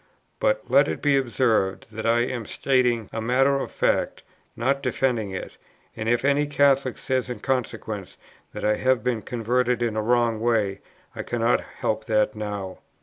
But, let it be observed, that I am stating a matter of fact, not defending it; and if any Catholic says in consequence that I have been converted in a wrong way, I cannot help that now.